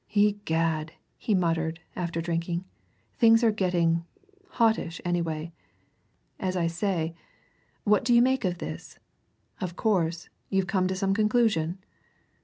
"Egad!" he muttered, after drinking. "Things are getting hottish, anyway. As I say, what do you make of this? Of course, you've come to some conclusion?"